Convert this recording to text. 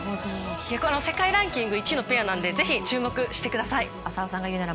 世界ランキング１位のペアなので注目してください。